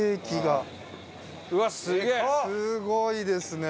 すごいですね。